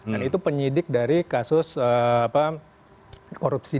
dan itu penyidik dari kasus korupsi